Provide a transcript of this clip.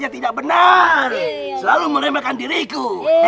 tidak benar selalu menerima kan diriku